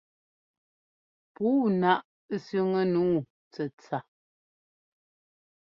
Puu náʼ sẅiŋɛ́ nǔu tsɛtsa.